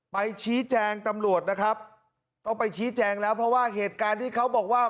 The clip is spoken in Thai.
ไปชี้แจงตำรวจนะครับต้องไปชี้แจงแล้วเพราะว่าเหตุการณ์ที่เขาบอกว่า